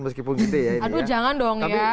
aduh jangan dong ya